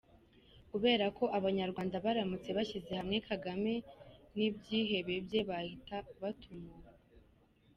Kubera ko abanyarwanda baramutse bashyize hamwe, Kagame n’ibyihebe bye bahita batumurwa!